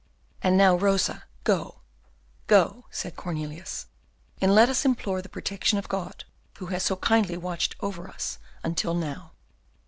"And now, Rosa, go, go," said Cornelius, "and let us implore the protection of God, who has so kindly watched over us until now."